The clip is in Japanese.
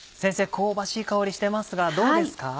香ばしい香りしてますがどうですか？